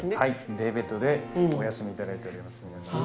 デイベッドでお休みいただいております。